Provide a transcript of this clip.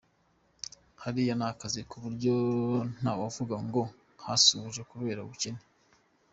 Hariyo n’akazi ku buryo ntawavuga ngo yasuhutse kubera ubucyene.